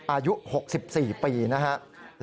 อายุ๖๔ปีนะครับ